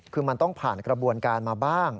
คือมันต้องผ่านกระบวนการมาบ้าง